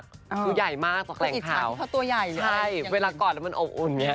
คุณหลุยตัวใหญ่มากกว่าแกรงขาวใช่เวลากอดแล้วมันอบอุ่นเนี่ย